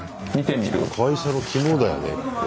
会社の肝だよね